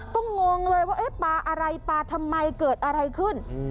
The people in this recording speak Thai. ก็งงเลยว่าเอ๊ะปลาอะไรปลาทำไมเกิดอะไรขึ้น